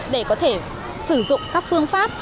để có thể sử dụng các phương pháp